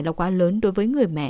là quá lớn đối với người mẹ